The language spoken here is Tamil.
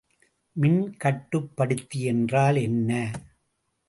மின்கட்டுப்படுத்தி என்றால் என்ன?